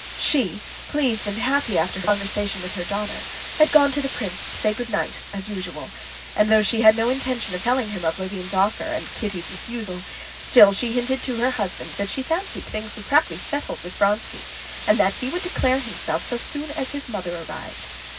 She, pleased and happy after her conversation with her daughter, had gone to the prince to say good night as usual, and though she had no intention of telling him of Levin's offer and Kitty's refusal, still she hinted to her husband that she fancied things were practically settled with Vronsky, and that he would declare himself so soon as his mother arrived.